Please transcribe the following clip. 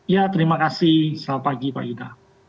ya terima kasih selamat pagi pak yuda